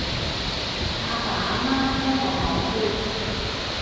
阿爸阿媽聽我講先